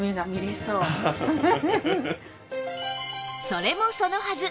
それもそのはず